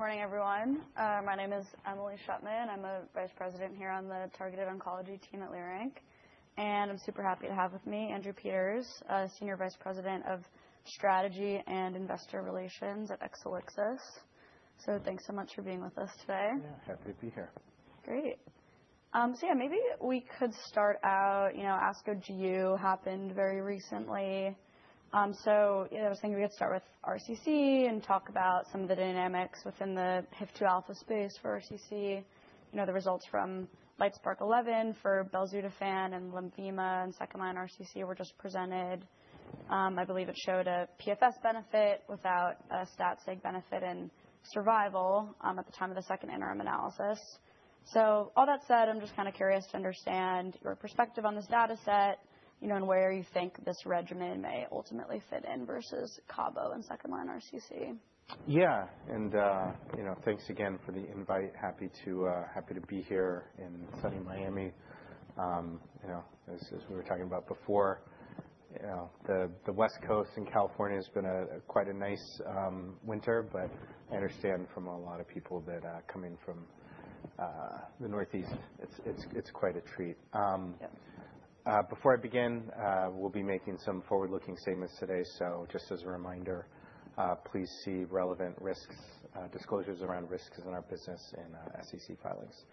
Morning, everyone. My name is Emily Shtulman. I'm a Vice President here on the Targeted Oncology team at Leerink, and I'm super happy to have with me Andrew Peters, senior Vice President of Strategy and Investor Relations at Exelixis. Thanks so much for being with us today. Yeah, happy to be here. Great. Yeah, maybe we could start out, you know, ASCO GU happened very recently. You know, I was thinking we could start with RCC and talk about some of the dynamics within the HIF-2 alpha space for RCC. You know, the results from LITESPARK-011 for belzutifan and lenvatinib and second-line RCC were just presented. I believe it showed a PFS benefit without a stat sig benefit in survival, at the time of the second interim analysis. All that said, I'm just kinda curious to understand your perspective on this data set, you know, and where you think this regimen may ultimately fit in versus CABOMETYX and second-line RCC. Yeah. You know, thanks again for the invite. Happy to be here in sunny Miami. You know, as we were talking about before, you know, the West Coast in California has been quite a nice winter, but I understand from a lot of people that coming from the Northeast, it's quite a treat. Yeah. Before I begin, we'll be making some forward-looking statements today. Just as a reminder, please see relevant risks, disclosures around risks in our business and SEC filings.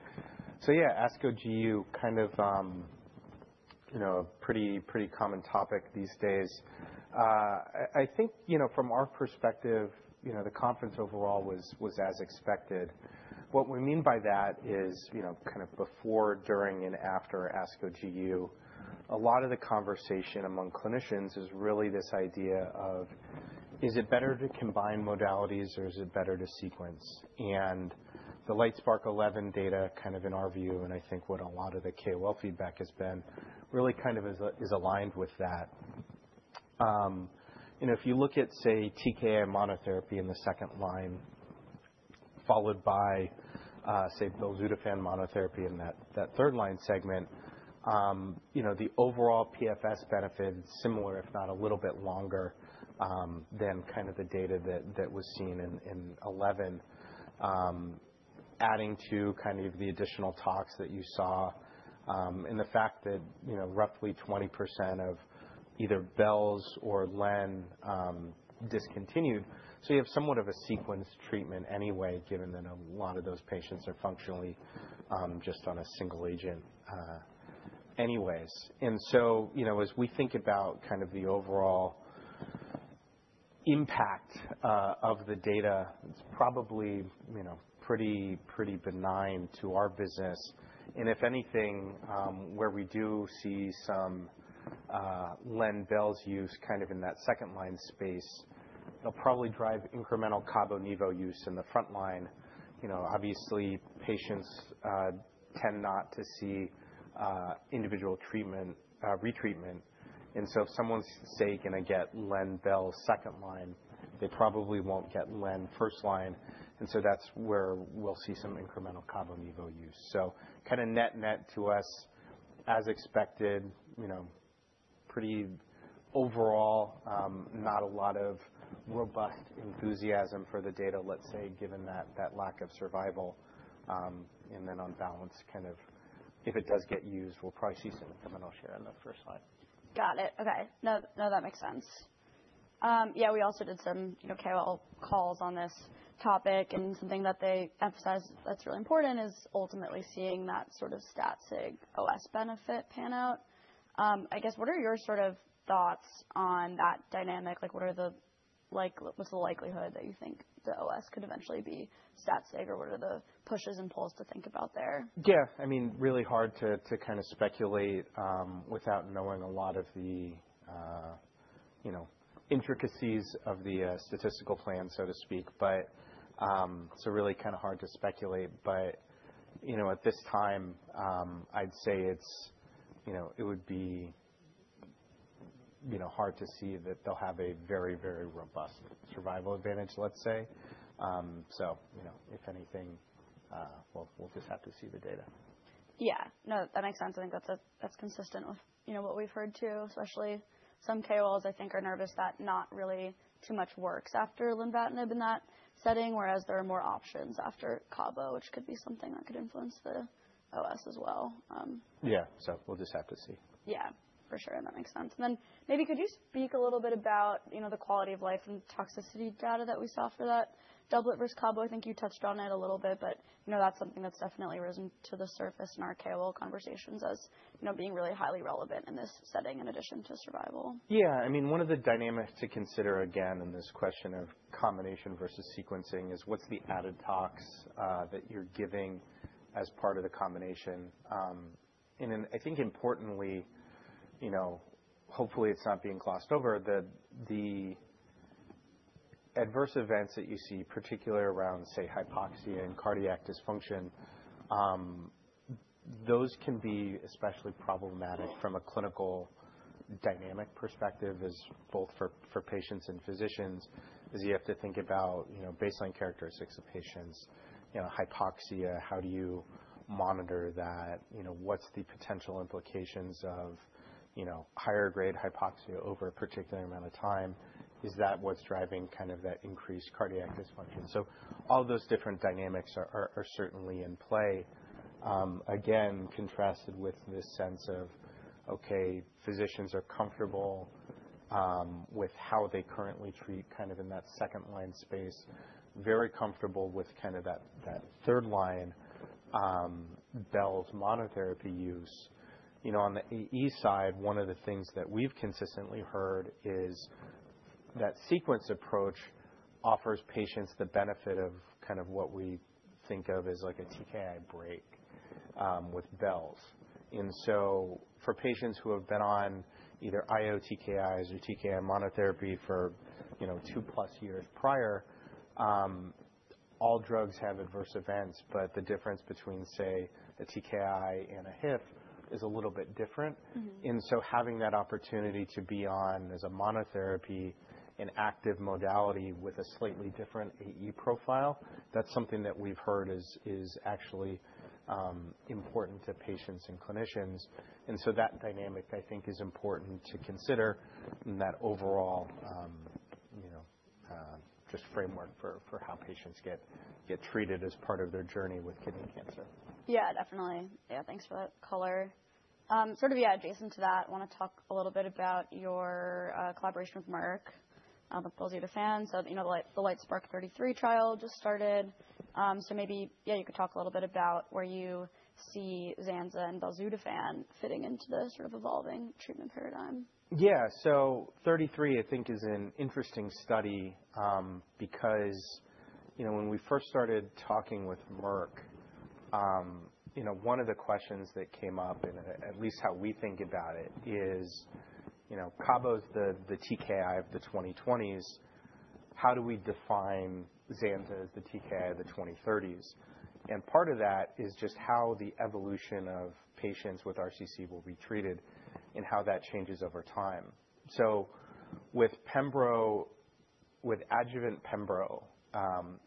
Yeah, ASCO GU kind of, you know, pretty common topic these days. I think, you know, from our perspective, you know, the conference overall was as expected. What we mean by that is, you know, kind of before, during, and after ASCO GU, a lot of the conversation among clinicians is really this idea of, is it better to combine modalities or is it better to sequence? The LITESPARK-011 data kind of in our view, and I think what a lot of the KOL feedback has been really kind of is aligned with that. You know, if you look at, say, TKI monotherapy in the second line, followed by, say, belzutifan monotherapy in that third line segment, you know, the overall PFS benefit is similar, if not a little bit longer, than kind of the data that was seen in eleven. Adding to kind of the additional talks that you saw, and the fact that, you know, roughly 20% of either belz or len discontinued. You have somewhat of a sequential treatment anyway, given that a lot of those patients are functionally just on a single agent anyways. You know, as we think about kind of the overall impact of the data, it's probably, you know, pretty benign to our business. If anything, where we do see some len/belz use kind of in that second line space, it'll probably drive incremental CABOMETYX-NIVO use in the front line. You know, obviously, patients tend not to see individual treatment retreatment. If someone's, say, gonna get len/belz second line, they probably won't get len first line. That's where we'll see some incremental CABOMETYX-NIVO use. Kinda net-net to us, as expected, you know, pretty overall, not a lot of robust enthusiasm for the data, let's say, given that lack of survival. On balance, kind of if it does get used, we'll probably see some incremental share in the first line. Got it. Okay. No, no, that makes sense. Yeah, we also did some, you know, KOL calls on this topic, and something that they emphasized that's really important is ultimately seeing that sort of stat sig OS benefit pan out. I guess what are your sort of thoughts on that dynamic? Like, what's the likelihood that you think the OS could eventually be stat sig or what are the pushes and pulls to think about there? Yeah, I mean, really hard to kinda speculate without knowing a lot of the you know intricacies of the statistical plan, so to speak. Really kinda hard to speculate, but you know at this time I'd say it's you know it would be you know hard to see that they'll have a very very robust survival advantage, let's say. You know if anything we'll just have to see the data. Yeah. No, that makes sense. I think that's consistent with, you know, what we've heard too. Especially some KOLs I think are nervous that not really too much works after LENVATINIB in that setting, whereas there are more options after CABOMETYX, which could be something that could influence the OS as well. Yeah. We'll just have to see. Yeah, for sure. That makes sense. Maybe could you speak a little bit about, you know, the quality of life and toxicity data that we saw for that doublet versus CABOMETYX? I think you touched on it a little bit, but, you know, that's something that's definitely risen to the surface in our KOL conversations as, you know, being really highly relevant in this setting, in addition to survival. Yeah. I mean, one of the dynamics to consider, again, in this question of combination versus sequencing is what's the added tox that you're giving as part of the combination. And then I think importantly, you know, hopefully it's not being glossed over, the adverse events that you see, particularly around, say, hypoxia and cardiac dysfunction, those can be especially problematic from a clinical dynamic perspective as both for patients and physicians. Is you have to think about, you know, baseline characteristics of patients. You know, hypoxia, how do you monitor that? You know, what's the potential implications of, you know, higher grade hypoxia over a particular amount of time? Is that what's driving kind of that increased cardiac dysfunction? All those different dynamics are certainly in play. Again, contrasted with this sense of, okay, physicians are comfortable with how they currently treat kind of in that second-line space, very comfortable with kind of that third line, belz monotherapy use. You know, on the AE side, one of the things that we've consistently heard is that sequence approach offers patients the benefit of kind of what we think of as like a TKI break with belz. For patients who have been on either IO TKIs or TKI monotherapy for, you know, two-plus years prior, all drugs have adverse events, but the difference between, say, a TKI and a HIF is a little bit different. Mm-hmm. Having that opportunity to be on as a monotherapy, an active modality with a slightly different AE profile, that's something that we've heard is actually important to patients and clinicians. That dynamic, I think, is important to consider in that overall, you know, just framework for how patients get treated as part of their journey with kidney cancer. Yeah, definitely. Yeah, thanks for that color. Sort of, yeah, adjacent to that, I wanna talk a little bit about your collaboration with Merck, the BELZUTIFAN You know, like the LITESPARK-033 trial just started. Maybe, yeah, you could talk a little bit about where you see ZANZALINTINIB and BELZUTIFAN fitting into the sort of evolving treatment paradigm. Yeah. 33, I think, is an interesting study, because, you know, when we first started talking with Merck, you know, one of the questions that came up, and at least how we think about it, is, you know, Cabo's the TKI of the 2020s. How do we define ZANZALINTINIB as the TKI of the 2030s? And part of that is just how the evolution of patients with RCC will be treated and how that changes over time. With pembrolizumab, with adjuvant PEMBROLIZUMAB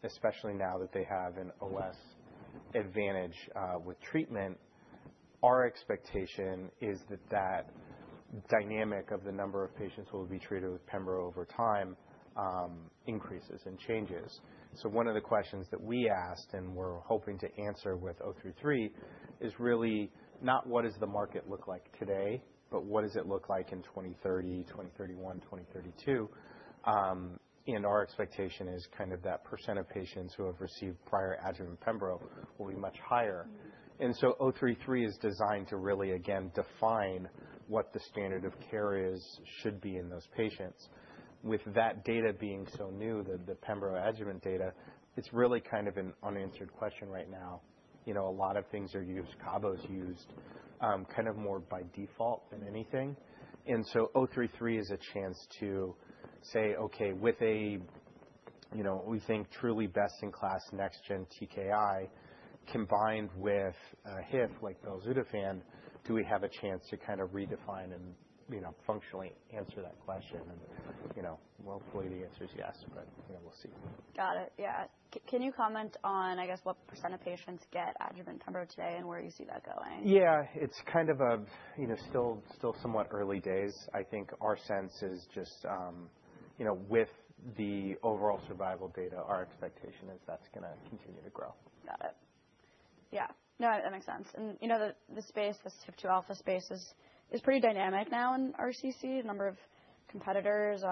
especially now that they have an OS advantage with treatment, our expectation is that that dynamic of the number of patients who will be treated with PEMBROLIZUMAB over time increases and changes. One of the questions that we asked and we're hoping to answer with 033 is really not what does the market look like today, but what does it look like in 2030, 2031, 2032. Our expectation is kind of that % of patients who have received prior adjuvant pembrolizumab will be much higher. Mm-hmm. 033 is designed to really, again, define what the standard of care is, should be in those patients. With that data being so new, the pembrolizumab adjuvant data, it's really kind of an unanswered question right now. You know, a lot of things are used, Cabo's used, kind of more by default than anything. 033 is a chance to say, "Okay, with a, you know, we think truly best in class next gen TKI combined with a HIF like BELZUTIFAN, do we have a chance to kind of redefine and, you know, functionally answer that question?" you know, well, hopefully the answer is yes, but, you know, we'll see. Got it. Yeah. Can you comment on, I guess, what % of patients get adjuvant pembrolizumab today, and where you see that going? Yeah. It's kind of a, you know, still somewhat early days. I think our sense is just, you know, with the overall survival data, our expectation is that's gonna continue to grow. Got it. Yeah. No, that makes sense. You know, the space, the HIF-2 alpha space is pretty dynamic now in RCC, the number of competitors.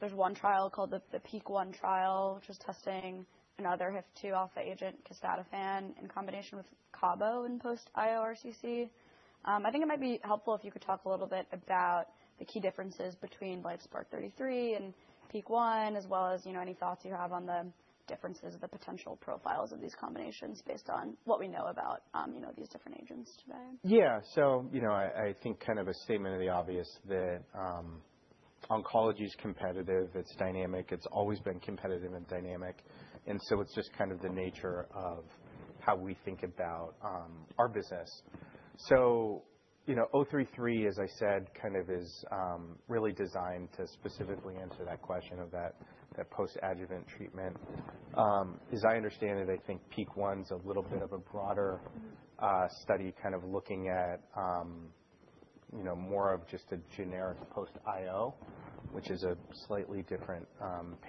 There's one trial called the PEAK-1 trial, which is testing another HIF-2 alpha agent CASDATIFAN in combination with Cabo in post IO RCC. I think it might be helpful if you could talk a little bit about the key differences between LITESPARK-033 and PEAK-1, as well as, you know, any thoughts you have on the differences of the potential profiles of these combinations based on what we know about, you know, these different agents today. Yeah. You know, I think kind of a statement of the obvious that oncology is competitive, it's dynamic. It's always been competitive and dynamic, and it's just kind of the nature of how we think about our business. You know, LITESPARK-033, as I said, kind of is really designed to specifically answer that question of that post-adjuvant treatment. As I understand it, I think PEAK-1's a little bit of a broader study kind of looking at you know, more of just a generic post IO, which is a slightly different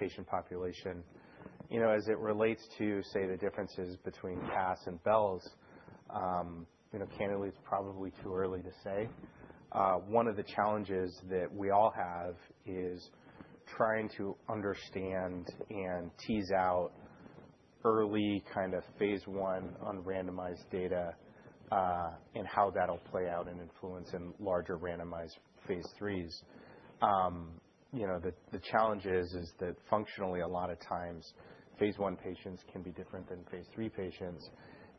patient population. You know, as it relates to, say, the differences between CAS and BELZUTIFAN, you know, candidly, it's probably too early to say. One of the challenges that we all have is trying to understand and tease out early kind of phase I unrandomized data, and how that'll play out and influence in larger randomized phase IIIs. You know, the challenge is that functionally a lot of times phase I patients can be different than phase III patients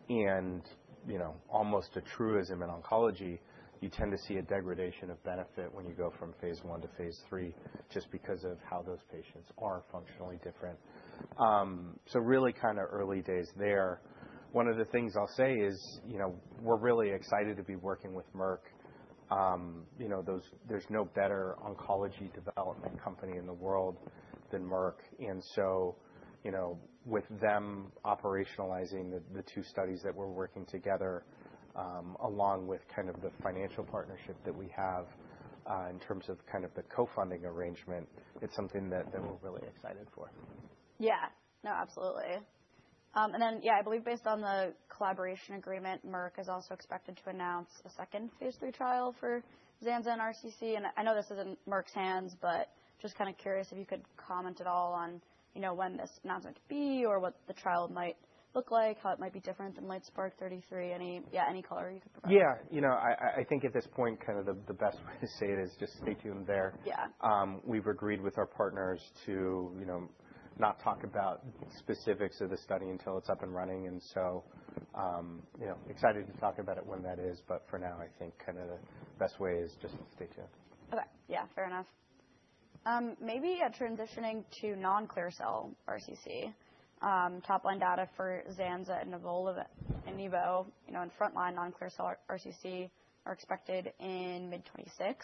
and you know, almost a truism in oncology, you tend to see a degradation of benefit when you go from phase I to phase III just because of how those patients are functionally different. So really kind of early days there. One of the things I'll say is, you know, we're really excited to be working with Merck. You know, there's no better oncology development company in the world than Merck. You know, with them operationalizing the two studies that we're working together, along with kind of the financial partnership that we have, in terms of kind of the co-funding arrangement, it's something that we're really excited for. No, absolutely. I believe based on the collaboration agreement, Merck is also expected to announce a second phase III trial for ZANZALINTINIB and RCC. I know this is in Merck's hands, but just kinda curious if you could comment at all on, you know, when this announcement could be or what the trial might look like, how it might be different than LITESPARK-033. Any color you could provide. Yeah. You know, I think at this point, kind of the best way to say it is just stay tuned there. Yeah. We've agreed with our partners to, you know, not talk about specifics of the study until it's up and running. You know, excited to talk about it when that is, but for now, I think kinda the best way is just to stay tuned. Okay. Yeah, fair enough. Maybe transitioning to non-clear cell RCC, top line data for ZANZALINTINIB and NIVOLUMAB, you know, in frontline non-clear cell RCC are expected in mid-2026.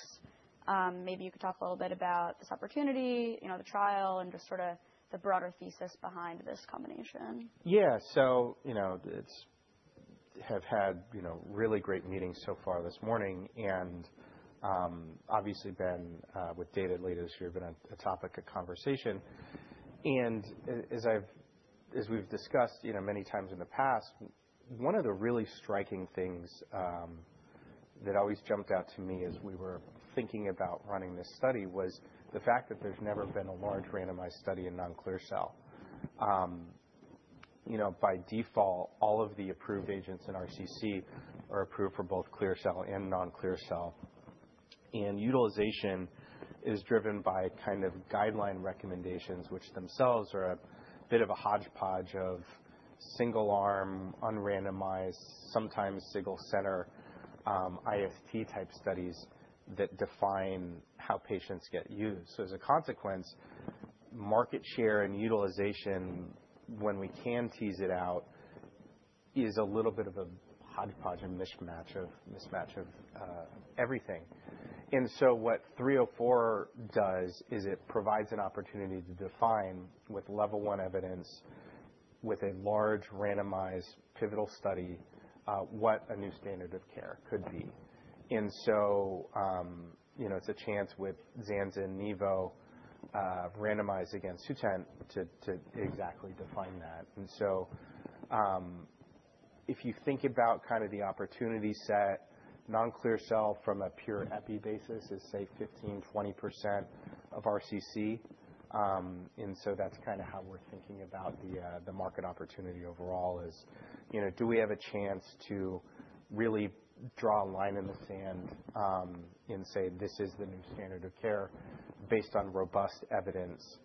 Maybe you could talk a little bit about this opportunity, you know, the trial and just sorta the broader thesis behind this combination. Yeah. You know, we have had really great meetings so far this morning and obviously, with the latest data, you've been a topic of conversation. As we've discussed many times in the past, one of the really striking things that always jumped out to me as we were thinking about running this study was the fact that there's never been a large randomized study in non-clear cell. You know, by default, all of the approved agents in RCC are approved for both clear cell and non-clear cell. Utilization is driven by kind of guideline recommendations, which themselves are a bit of a hodgepodge of single arm, unrandomized, sometimes single center, IIT type studies that define how agents get used. As a consequence, market share and utilization, when we can tease it out, is a little bit of a hodgepodge and mismatch of everything. What STELLAR-304 does is it provides an opportunity to define with level one evidence, with a large randomized pivotal study, what a new standard of care could be. You know, it's a chance with ZANZALINTINIB and Nivo, randomized against Sutent to exactly define that. If you think about kind of the opportunity set, non-clear cell from a pure EPI basis is, say, 15%-20% of RCC. That's kinda how we're thinking about the market opportunity overall is, you know, do we have a chance to really draw a line in the sand and say, "This is the new standard of care," based on robust evidence,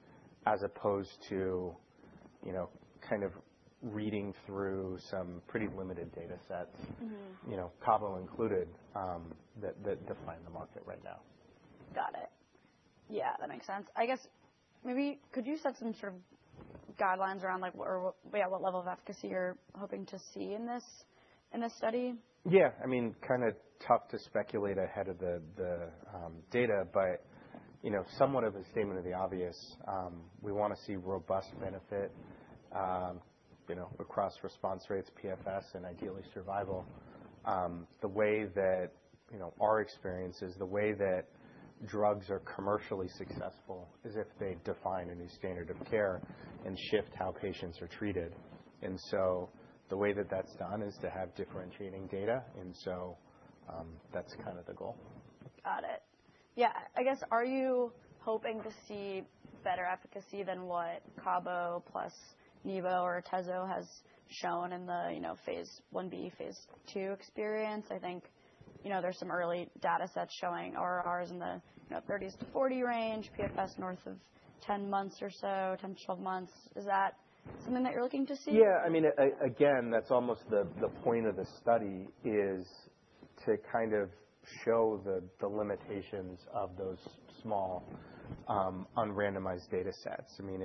as opposed to, you know, kind of reading through some pretty limited data sets. Mm-hmm. You know, Cabo included, that define the market right now. Got it. Yeah, that makes sense. I guess maybe could you set some sort of guidelines around, like, or what, yeah, what level of efficacy you're hoping to see in this study? Yeah. I mean, kinda tough to speculate ahead of the data, but, you know, somewhat of a statement of the obvious, we wanna see robust benefit, you know, across response rates, PFS, and ideally survival. The way that, you know, our experience is the way that drugs are commercially successful is if they define a new standard of care and shift how patients are treated. The way that that's done is to have differentiating data, and so, that's kind of the goal. Got it. Yeah. I guess, are you hoping to see better efficacy than what Cabo plus NIVOLUMAB or TECENTRIQ has shown in the, you know, phase Ib, phase II experience? I think, you know, there's some early data sets showing ORRs in the, you know, 30s to 40 range, PFS north of 10 months or so, 10 to 12 months. Is that something that you're looking to see? Yeah. I mean, again, that's almost the point of the study is to kind of show the limitations of those small unrandomized data sets. I mean,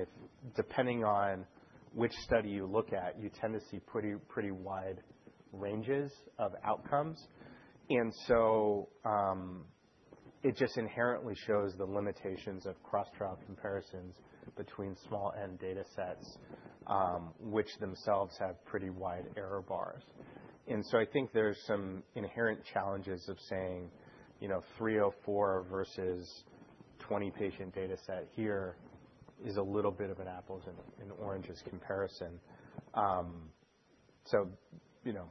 depending on which study you look at, you tend to see pretty wide ranges of outcomes. It just inherently shows the limitations of cross-trial comparisons between small N data sets, which themselves have pretty wide error bars. I think there's some inherent challenges of saying, you know, 304 versus 20 patient data set here is a little bit of an apples and oranges comparison. You know,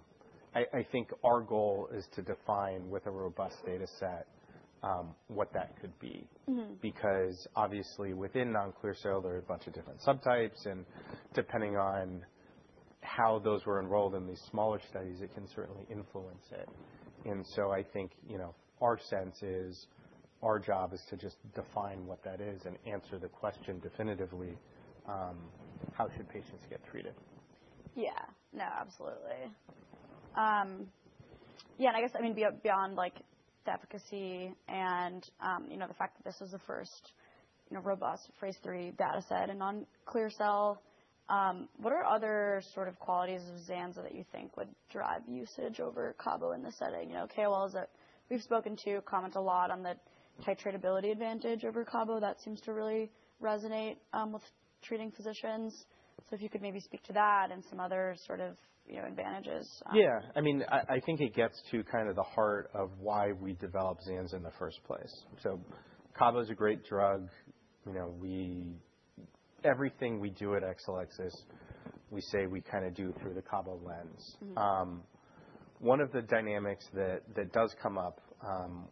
I think our goal is to define with a robust data set what that could be. Mm. Because obviously within non-clear cell, there are a bunch of different subtypes, and depending on how those were enrolled in these smaller studies, it can certainly influence it. I think, you know, our job is to just define what that is and answer the question definitively, how should patients get treated? Yeah. No, absolutely. Yeah, I guess, I mean, beyond like the efficacy and, you know, the fact that this is the first, you know, robust phase III data set and on clear cell, what are other sort of qualities of ZANZALINTINIB that you think would drive usage over Cabo in this setting? You know, KOLs that we've spoken to comment a lot on the titratability advantage over Cabo. That seems to really resonate with treating physicians. If you could maybe speak to that and some other sort of, you know, advantages. Yeah. I mean, I think it gets to kind of the heart of why we developed Zanza in the first place. Cabo is a great drug. You know, everything we do at Exelixis, we say we kinda do through the Cabo lens. Mm-hmm. One of the dynamics that does come up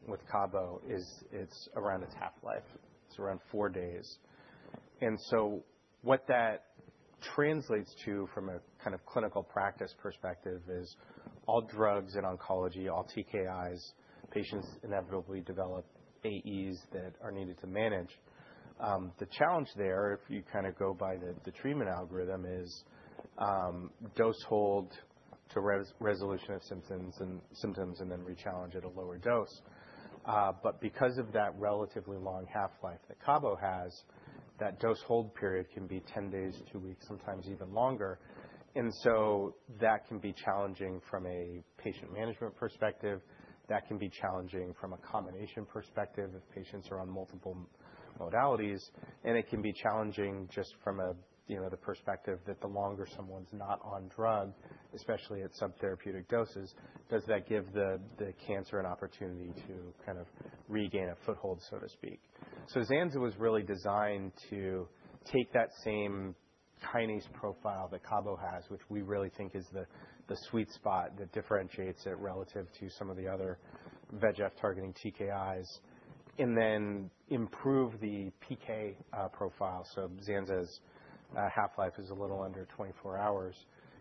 with Cabo is, it's around its half-life. It's around 4 days. What that translates to from a kind of clinical practice perspective is all drugs in oncology, all TKIs patients inevitably develop AEs that are needed to manage. The challenge there, if you kinda go by the treatment algorithm is, dose hold to resolution of symptoms and symptoms, and then rechallenge at a lower dose. Because of that relatively long half-life that Cabo has, that dose hold period can be 10 days, 2 weeks, sometimes even longer. That can be challenging from a patient management perspective. That can be challenging from a combination perspective if patients are on multiple modalities. It can be challenging just from a, you know, the perspective that the longer someone's not on drug, especially at subtherapeutic doses, does that give the cancer an opportunity to kind of regain a foothold, so to speak. Zanza was really designed to take that same kinase profile that Cabo has, which we really think is the sweet spot that differentiates it relative to some of the other VEGF targeting TKIs, and then improve the PK profile. Zanza's half-life is a little under 24 hours,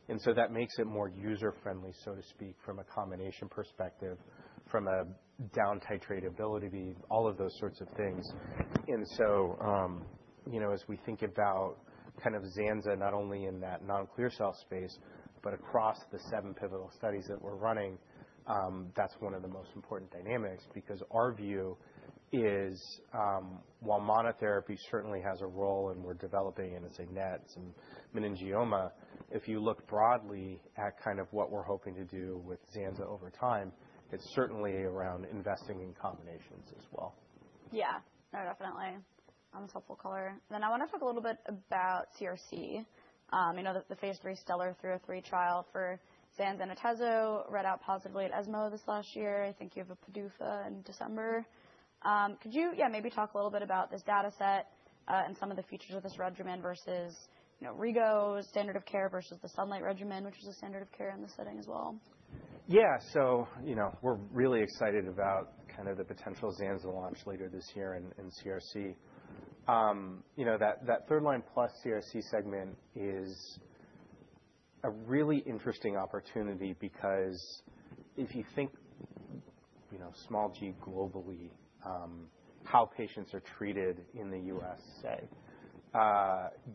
and that makes it more user-friendly, so to speak, from a combination perspective, from a down titratability, all of those sorts of things. You know, as we think about kind of ZANZALINTINIB not only in that non-clear cell space, but across the seven pivotal studies that we're running, that's one of the most important dynamics because our view is, while monotherapy certainly has a role and we're developing it in signet ring cell and meningioma, if you look broadly at kind of what we're hoping to do with ZANZALINTINIB over time, it's certainly around investing in combinations as well. Yeah. No, definitely. That's helpful color. I wanna talk a little bit about CRC. I know that the phase III STELLAR-303 trial for ZANZALINTINIB Tecentriq read out positively at ESMO this last year. I think you have a PDUFA in December. Could you maybe talk a little bit about this data set and some of the features of this regimen versus, you know, regorafenib standard of care versus the SUNLIGHT regimen, which is a standard of care in this setting as well. Yeah. You know, we're really excited about kind of the potential ZANZALINTINIB launch later this year in CRC. You know, that third line plus CRC segment is a really interesting opportunity because if you think globally, how patients are treated in the US, say,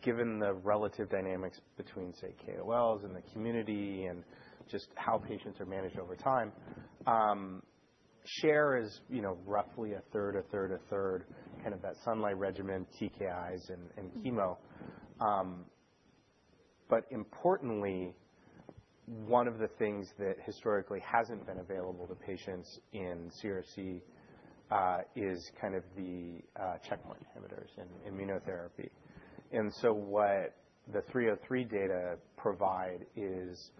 given the relative dynamics between, say, KOLs and the community and just how patients are managed over time, share is, you know, roughly 1/3, 1/3, 1/3, kind of that SUNLIGHT regimen, TKIs and chemo. Importantly, one of the things that historically hasn't been available to patients in CRC is kind of the checkpoint inhibitors in immunotherapy. What the STELLAR-303 data provide is,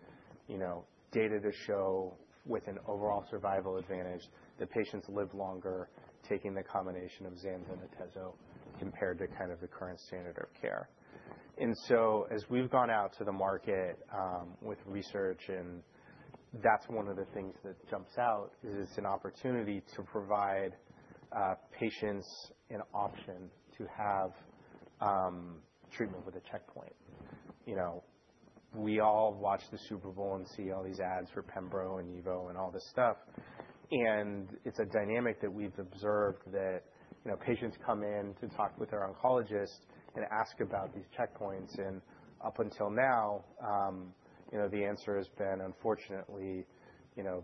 you know, data to show with an overall survival advantage that patients live longer taking the combination of ZANZALINTINIB, ATEZOLIZUMAB compared to kind of the current standard of care. As we've gone out to the market with research, and that's one of the things that jumps out, is an opportunity to provide patients an option to have treatment with a checkpoint. You know, we all watch the Super Bowl and see all these ads for PEMBROLIZUMAB and OPDIVO and all this stuff, and it's a dynamic that we've observed that, you know, patients come in to talk with their oncologist and ask about these checkpoints. Up until now, you know, the answer has been, unfortunately, you know,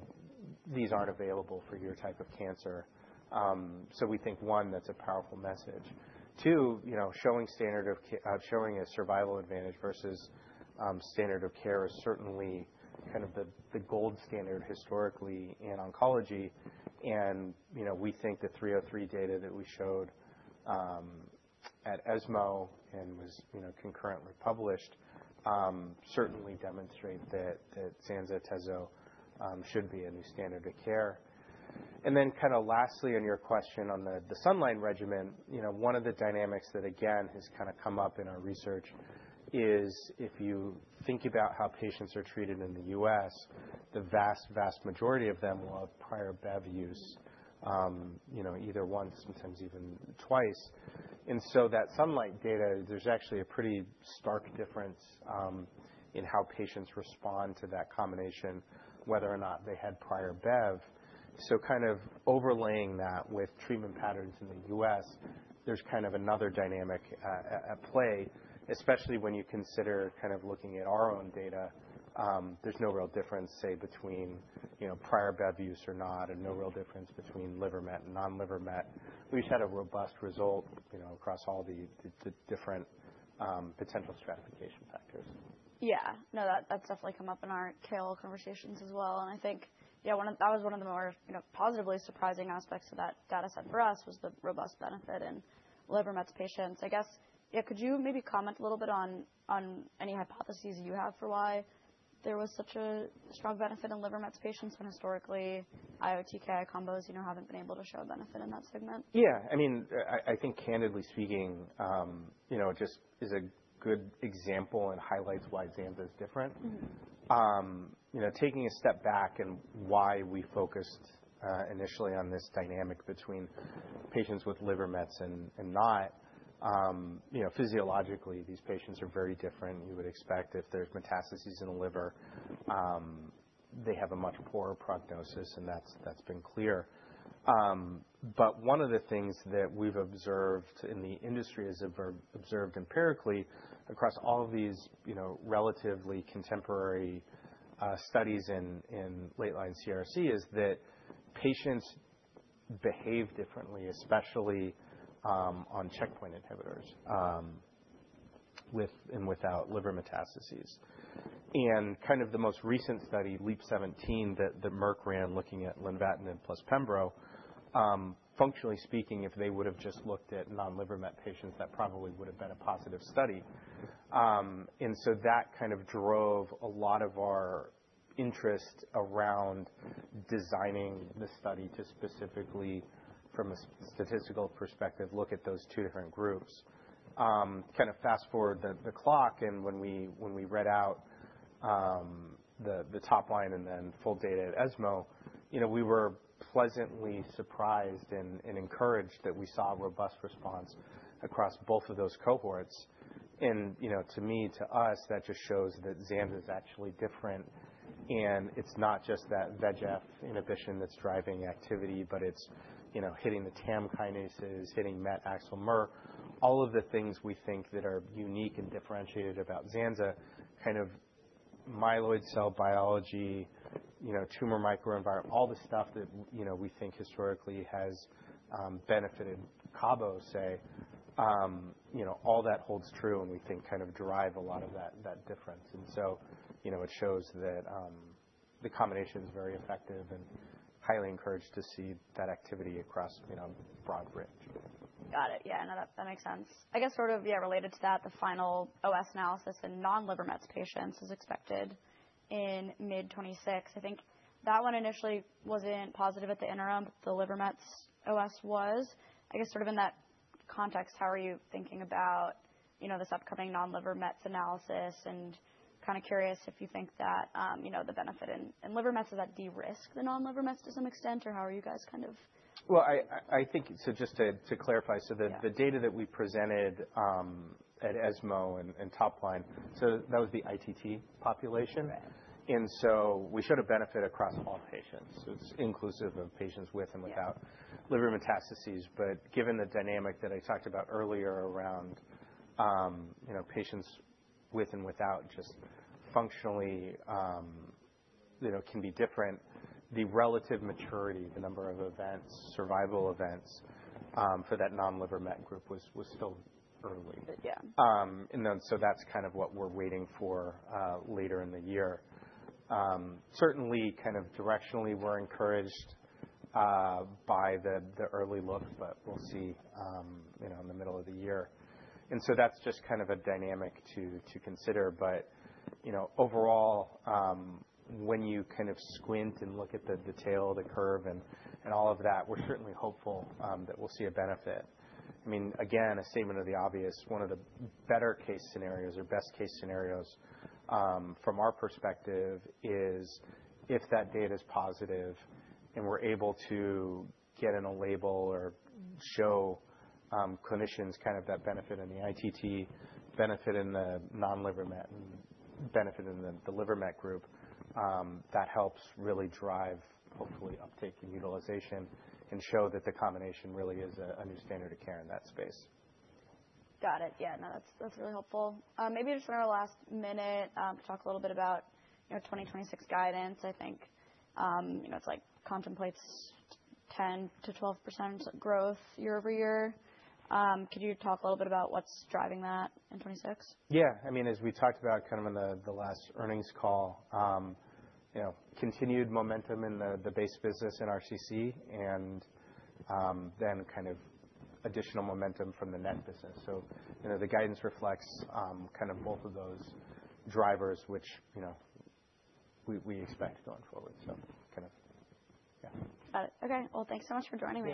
these aren't available for your type of cancer. We think, one, that's a powerful message. Too, you know, showing a survival advantage versus standard of care is certainly kind of the gold standard historically in oncology. You know, we think the 303 data that we showed at ESMO and was concurrently published certainly demonstrate that ZANZALINTINIB, TECENTRIQ should be a new standard of care. Then kinda lastly on your question on the SUNLIGHT regimen, you know, one of the dynamics that again has kinda come up in our research is if you think about how patients are treated in the U.S., the vast majority of them will have prior BEVACIZUMAB use, you know, either once, sometimes even twice. That SUNLIGHT data, there's actually a pretty stark difference in how patients respond to that combination, whether or not they had prior bevacizumab. Kind of overlaying that with treatment patterns in the U.S., there's kind of another dynamic at play, especially when you consider kind of looking at our own data, there's no real difference, say, between, you know, prior bevacizumab use or not, and no real difference between liver mets and non-liver met. We just had a robust result, you know, across all the different potential stratification factors. Yeah. No, that's definitely come up in our KOL conversations as well, and I think, yeah, that was one of the more, you know, positively surprising aspects of that data set for us, was the robust benefit in liver mets patients. I guess, yeah, could you maybe comment a little bit on any hypotheses you have for why there was such a strong benefit in liver mets patients when historically IO/TKI combos, you know, haven't been able to show a benefit in that segment? Yeah. I mean, I think candidly speaking, you know, just is a good example and highlights why WELIREG is different. Mm-hmm. You know, taking a step back and why we focused initially on this dynamic between patients with liver mets and not, you know, physiologically, these patients are very different. You would expect if there's metastases in the liver, they have a much poorer prognosis, and that's been clear. But one of the things that we've observed in the industry is observed empirically across all of these, you know, relatively contemporary studies in late line CRC, is that patients behave differently, especially on checkpoint inhibitors with and without liver metastases. Kind of the most recent study, LEAP-017, that Merck ran looking at LENVATINIB plus PEMBROLIZUMAB, functionally speaking, if they would've just looked at non-liver met patients, that probably would have been a positive study. that kind of drove a lot of our interest around designing the study to specifically, from a statistical perspective, look at those two different groups. Kind of fast-forward the clock and when we read out the top line and then full data at ESMO, you know, we were pleasantly surprised and encouraged that we saw a robust response across both of those cohorts. You know, to me, to us, that just shows that WELIREG is actually different, and it's not just that VEGF inhibition that's driving activity, but it's, you know, hitting the TAM kinases, hitting MET, AXL, and MER, all of the things we think that are unique and differentiated about WELIREG, kind of myeloid cell biology, you know, tumor microenvironment, all the stuff that, you know, we think historically has benefited Cabo, say. You know, all that holds true, and we think kind of derive a lot of that difference. You know, it shows that the combination is very effective and highly encouraged to see that activity across, you know, broad range. Got it. Yeah, no, that makes sense. I guess sort of, yeah, related to that, the final OS analysis in non-liver mets patients is expected in mid-2026. I think that one initially wasn't positive at the interim, but the liver mets OS was. I guess sort of in that context, how are you thinking about, you know, this upcoming non-liver mets analysis and kinda curious if you think that, you know, the benefit in liver mets will that de-risk the non-liver mets to some extent, or how are you guys kind of- Well, I think, just to clarify. Yeah. The data that we presented at ESMO and top line, so that was the ITT population. Right. We showed a benefit across all patients. It's inclusive of patients with and without- Yeah. Liver metastases, but given the dynamic that I talked about earlier around, you know, patients with and without just functionally, you know, can be different, the relative maturity, the number of events, survival events, for that non-liver met group was still early. Yeah. That's kind of what we're waiting for later in the year. Certainly kind of directionally, we're encouraged by the early look, but we'll see, you know, in the middle of the year. That's just kind of a dynamic to consider. You know, overall, when you kind of squint and look at the detail of the curve and all of that, we're certainly hopeful that we'll see a benefit. I mean, again, a statement of the obvious, one of the better case scenarios or best case scenarios from our perspective is if that data is positive and we're able to get in a label or show clinicians kind of that benefit in the ITT, benefit in the non-liver met, and benefit in the liver met group that helps really drive, hopefully, uptake and utilization and show that the combination really is a new standard of care in that space. Got it. Yeah, no, that's really helpful. Maybe just for our last minute, talk a little bit about, you know, 2026 guidance. I think, you know, it's like contemplates 10%-12% growth year-over-year. Could you talk a little bit about what's driving that in 2026? Yeah. I mean, as we talked about kind of in the last earnings call, you know, continued momentum in the base business in RCC and then kind of additional momentum from the MET business. You know, the guidance reflects kind of both of those drivers, which, you know, we expect going forward. Kind of, yeah. Got it. Okay. Well, thanks so much for joining me.